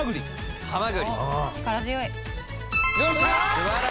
素晴らしい。